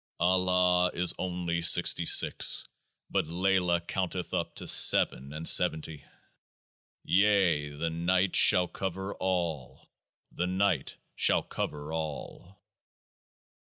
Al lah is only sixty six ; but LAYLAH counteth up to Seven and Seventy. 35 " Yea ! the night shall cover all ; the night shall cover all."